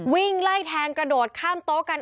วิ่งไล่แทงกระโดดข้ามโต๊ะกัน